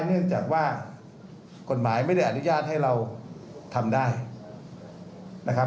เนื่องจากว่ากฎหมายไม่ได้อนุญาตให้เราทำได้นะครับ